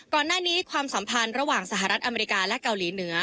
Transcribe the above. ก่อนหน้านี้ความสัมพันธ์ระหว่างสหรัฐอเมริกาและเกาหลีเหนือ